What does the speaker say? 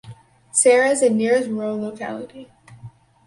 Saray is the nearest rural locality.